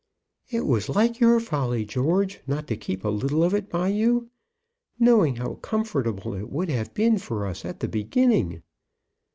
"It was like your folly, George, not to keep a little of it by you, knowing how comfortable it would have been for us at the beginning."